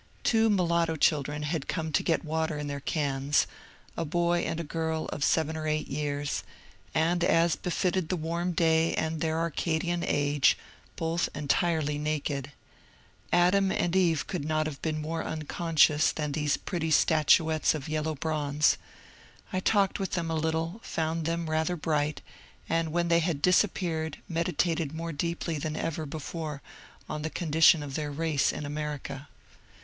Two mulatto children had come to get water in their cans, — a boy and a girl of seven or eight years, — and, as befitted the 7e MONCURE DANIEL CONWAY l^f^ ^day and their Arcadian age, both entirely naked. Adam J jya Eve could not have been more unconscious than these ypretiy statuettes of yellow bronze. I talked with them a little, found them rather bright, and, when they had disappeared, meditated more deeply than ever before on the condition of their race in America.